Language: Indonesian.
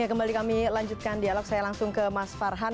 ya kembali kami lanjutkan dialog saya langsung ke mas farhan